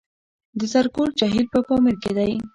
د زرکول جهیل په پامیر کې دی